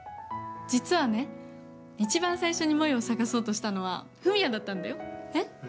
実はね一番最初に萌を捜そうとしたのは史也だったんだよ。えっ？